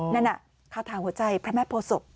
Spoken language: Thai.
นั่นน่ะคาถาหัวใจพระแม่โพศพ